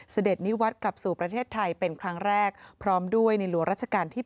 เสด็จนิวัตรกลับสู่ประเทศไทยเป็นครั้งแรกพร้อมด้วยในหลวงราชการที่๘